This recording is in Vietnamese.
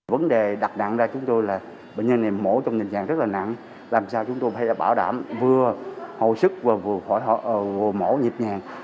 vấn đề đặt ra chúng tôi là bệnh nhân này mổ trong tình trạng rất là nặng làm sao chúng tôi phải bảo đảm vừa hồi sức vừa mổ nhịp nhàng